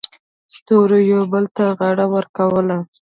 ستورو یو بل ته غاړه ورکوله.